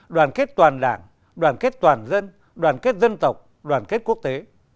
đoàn kết toàn đảng đoàn kết toàn dân đoàn kết dân tộc đoàn kết quốc tế